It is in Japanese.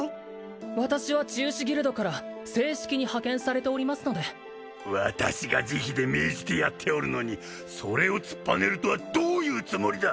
私は治癒士ギルドから正式に派遣されておりますので私が慈悲で命じてやっておるのにそれを突っぱねるとはどういうつもりだ！